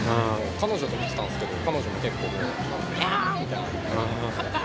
彼女と見てたんですけど、彼女も結構、きゃー！みたいな、勝ったー！